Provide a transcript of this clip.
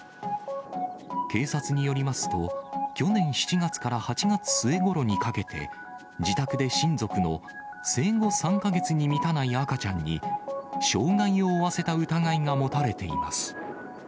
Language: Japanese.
警察によりますと、去年７月から８月末ごろにかけて、自宅で親族の生後３か月に満たない赤ちゃんに、傷害を負わせた疑いが持たれています。